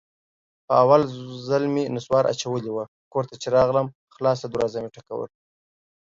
په اول ځل مې نصوار اچولي وو، کور ته چې راغلم خلاصه دروازه مې ټکوله.